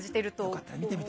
よかったら見てみて。